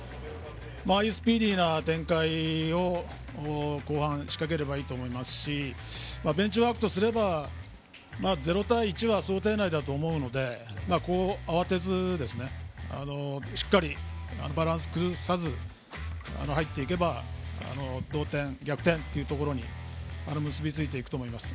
ああいうスピーディーな展開を後半仕掛ければいいと思いますしベンチワークとすれば０対１は想定内だと思うので慌てずにしっかりとバランスを崩さずに入っていけば、同点、逆転に結びついていくと思います。